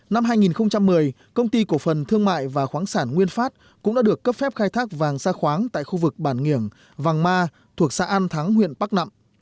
năm hai nghìn một mươi công ty cổ phần thương mại và khoáng sản nguyên phát cũng đã được cấp phép khai thác vàng xa khoáng tại khu vực bản nghiểng vàng ma thuộc xã an thắng huyện bắc nẵm